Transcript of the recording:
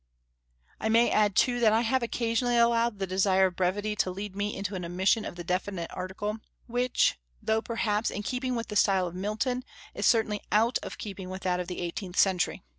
I may add, too, that I have occasionally allowed the desire of brevity to lead me into an omission of the definite article, which, though perhaps in keeping with the style of Milton, is certainly out of keeping with that of the eighteenth century.